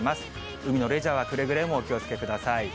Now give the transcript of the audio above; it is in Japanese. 海のレジャーはくれぐれもお気をつけください。